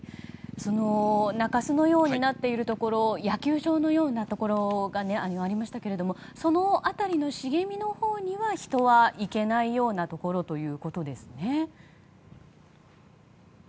中洲のようになっているところ野球場のようなところがありましたがその辺りの茂みのほうには人は行けないようなところということですね。